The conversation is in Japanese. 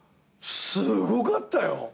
すごかったよ。